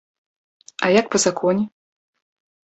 А як па законе?